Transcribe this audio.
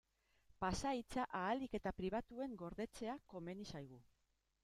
Pasahitza ahalik eta pribatuen gordetzea komeni zaigu.